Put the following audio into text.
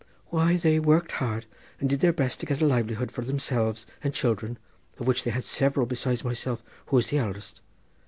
"Why, they worked hard, and did their best to get a livelihood for themselves and children, of which they had several besides myself, who was the eldest.